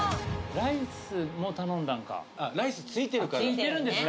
ライスも頼んだんかあっライス付いてるから付いてるんですか？